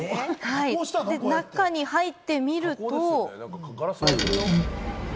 中に入ってみると。